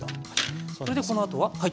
それでこのあとは。